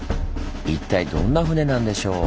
一体どんな船なんでしょう？